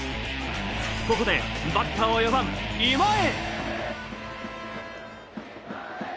ここでバッターは４番今江。